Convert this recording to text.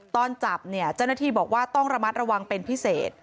ตอนจับเนี่ยเจ้าหน้าที่บอกว่าต้องระมัดระวังเป็นพิเศษ